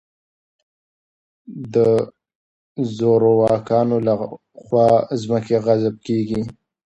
د زورواکانو له خوا ځمکې غصب کېږي.